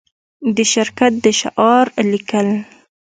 د شرکت د شعار لیکل